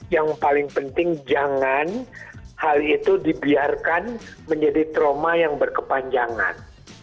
yang paling penting jangan hal itu dibiarkan menjadi trauma yang berkepanjangan